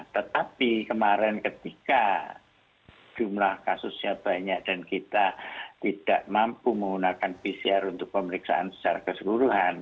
tetapi kemarin ketika jumlah kasusnya banyak dan kita tidak mampu menggunakan pcr untuk pemeriksaan secara keseluruhan